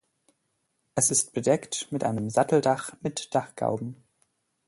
Es ist bedeckt mit einem Satteldach mit Dachgauben.